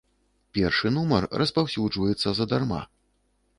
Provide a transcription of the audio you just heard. Першы нумар распаўсюджваецца задарма.